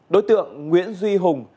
đối tượng nguyễn duy hùng